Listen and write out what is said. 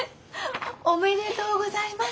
おめでとうございます！